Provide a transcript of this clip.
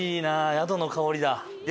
宿の香り。